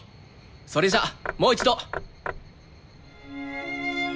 それじゃあもう一度。